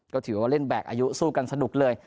ก็ถือว่าเล่นแบกอายุสู้กันสนุกเลย